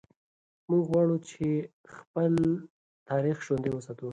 موږ غواړو چې خپل تاریخ ژوندی وساتو.